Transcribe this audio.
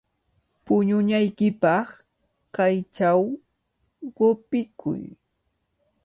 Puñunaykipaq kaychaw qupikuy.